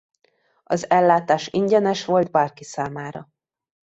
Az ellátás ingyenes volt bárki számára.